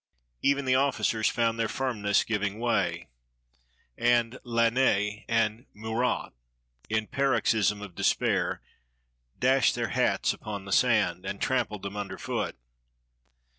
Even the officers found their firmness giving way, and Lannes and Murat, in paroxysms of despair, dashed their hats upon the sand, and trampled them under foot.